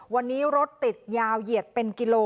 วันนี้รถติดยาวเหยียดเป็นกิโล